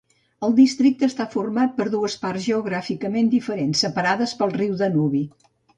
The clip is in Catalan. El districte està format per dues parts geogràficament diferents, separades pel riu Danubi.